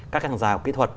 các khán giả của kỹ thuật